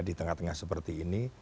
di tengah tengah seperti ini